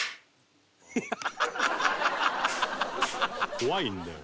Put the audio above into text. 「怖いんだよ」